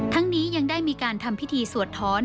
นี้ยังได้มีการทำพิธีสวดท้อน